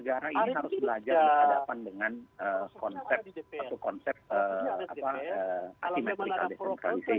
negara ini harus belajar berhadapan dengan konsep arti metodikal desentralisasi